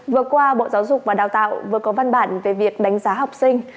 vừa qua bộ giáo dục và đào tạo vừa có văn bản về việc đánh giá học sinh